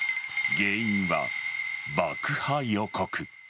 原因は爆破予告。